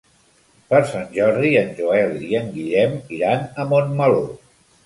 Per Sant Jordi en Joel i en Guillem iran a Montmeló.